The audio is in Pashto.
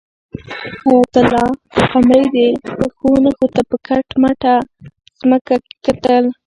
حیات الله د قمرۍ د پښو نښو ته په کټ مټه ځمکه کې کتل.